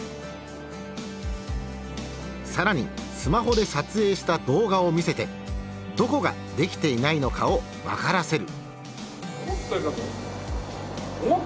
更にスマホで撮影した動画を見せてどこができていないのかを分からせる。